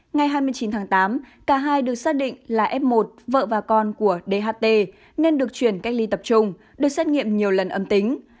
ngày hai mươi chín tháng tám cả hai được xác định là f một vợ và con của dht nên được chuyển cách ly tập trung được xét nghiệm nhiều lần âm tính